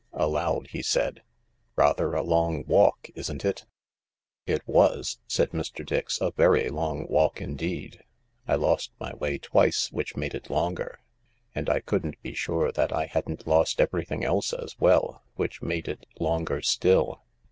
Aloud he said, " Rather a long walk, isn't it?" " It was," said Mr. Dix —" a very long walk indeed. I lost my way twice, which made it longer. And I couldn't be sure that I hadn't lost everything else as well, which made it longer still.